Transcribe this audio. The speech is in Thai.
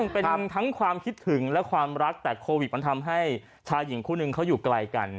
เป็นทั้งความคิดถึงและความรักแต่โควิดมันทำให้ชายหญิงคู่นึงเขาอยู่ไกลกัน